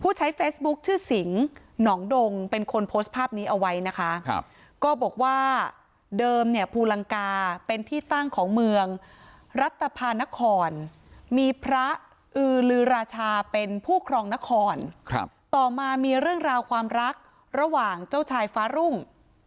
ใช้เฟซบุ๊คชื่อสิงหนองดงเป็นคนโพสต์ภาพนี้เอาไว้นะคะครับก็บอกว่าเดิมเนี่ยภูลังกาเป็นที่ตั้งของเมืองรัฐภานครมีพระอือลือราชาเป็นผู้ครองนครครับต่อมามีเรื่องราวความรักระหว่างเจ้าชายฟ้ารุ่ง